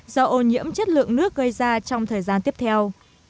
do ô nhiễm chất lượng nước gây ra trong thời gian tiếp theo